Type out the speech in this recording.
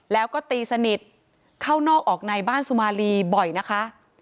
แล้วก็ตีสนิทเข้านอกออกในบ้านสุมารีบ่อยนะคะ